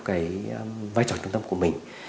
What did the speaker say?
cái vai trò trung tâm của mình